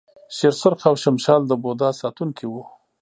شیر سرخ او شمشال د بودا ساتونکي وو